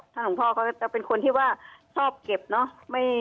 หลวงพ่อเขาจะเป็นคนที่ว่าชอบเก็บเนอะ